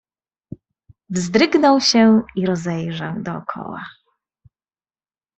"Wzdrygnął się i rozejrzał dokoła."